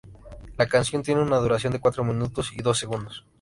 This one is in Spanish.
La canción tiene una duración de cuatro minutos y dos segundos.